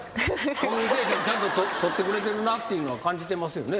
コミュニケーションちゃんと取ってくれてるなっていうのは感じてますよね？